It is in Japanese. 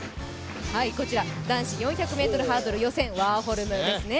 こちら男子４００ｍハードル予選、ワーホルムですね。